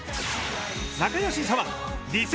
仲良し左腕、履正